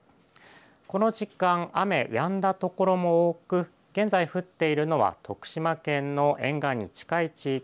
この時間、雨やんだ所も多く現在降っているのは徳島県の沿岸に近い地域